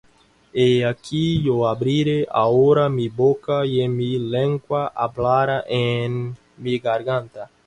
He aquí yo abriré ahora mi boca, Y mi lengua hablará en mi garganta.